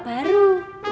bapak ketiga ya